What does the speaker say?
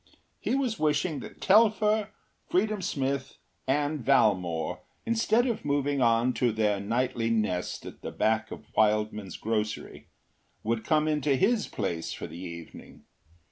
He was wishing that Telfer, Freedom Smith, and Valmore, instead of moving on to their nightly nest at the back of Wildman’s grocery, would come into his place for the evening.